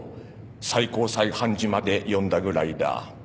最高裁判事まで呼んだぐらいだ。